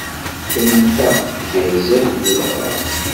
Tenta tgersa deg udɣaɣ.